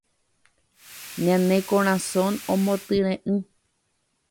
Ñane korasõ omotyre'ỹ